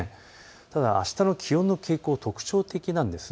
ただあしたの気温の傾向は特徴的なんです。